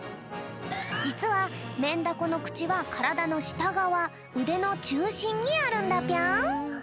じつはメンダコのくちはからだのしたがわうでのちゅうしんにあるんだぴょん。